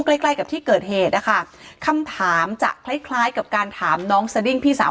ใกล้ใกล้กับที่เกิดเหตุนะคะคำถามจะคล้ายคล้ายกับการถามน้องสดิ้งพี่สาว